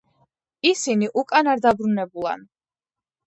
ისინი უკან არ დაბრუნებულან.